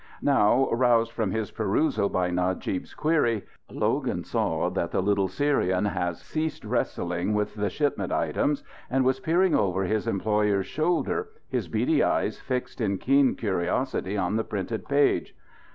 Now, roused from his perusal by Najib's query, Logan saw that the little Syrian has ceased wrestling with the shipment items and was peering over his employer's shoulder, his beady eyes fixed in keen curiosity on the printed page.